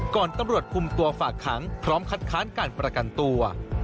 ตำรวจคุมตัวฝากขังพร้อมคัดค้านการประกันตัว